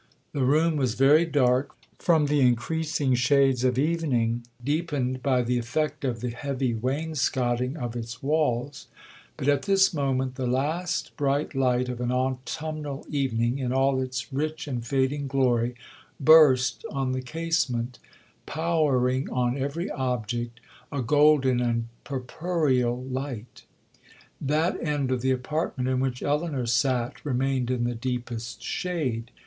The room was very dark, from the increasing shades of evening, deepened by the effect of the heavy wainscotting of its walls; but at this moment, the last bright light of an autumnal evening, in all its rich and fading glory, burst on the casement, powering on every object a golden and purpureal light. That end of the apartment in which Elinor sat remained in the deepest shade.